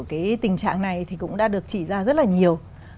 cái tình trạng này thì cũng đã được chỉ ra rất là nhiều